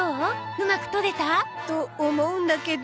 うまく撮れた？と思うんだけど。